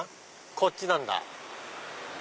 こっちなんだ。